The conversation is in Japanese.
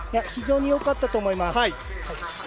非常によかったと思います。